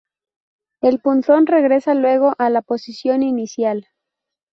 El punzón regresa luego a la posición inicial.